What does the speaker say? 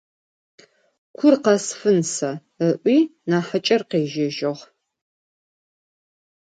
Kur khesfın se ,– ı'ui nahıç'er khêjejığ.